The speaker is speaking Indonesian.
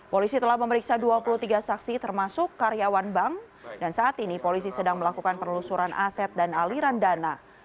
polisi telah memeriksa dua puluh tiga saksi termasuk karyawan bank dan saat ini polisi sedang melakukan penelusuran aset dan aliran dana